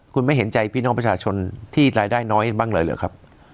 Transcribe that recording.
คุณไม่เห็นใจพี่น้องประชาชนที่รายได้น้อยบ้างเลยหรือครับ